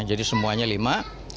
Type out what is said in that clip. jadi semuanya lima